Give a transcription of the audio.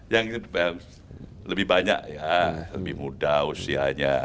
yang ini lebih banyak ya lebih muda usianya